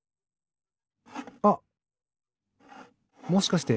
あっもしかして。